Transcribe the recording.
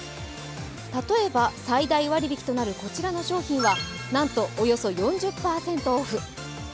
例えば最大割引となるこちらの商品は、なんとおよそ４０％オフ。